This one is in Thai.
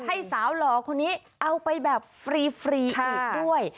ให้สาวหล่อคนนี้เอาไปแบบฟรีอีกด้วย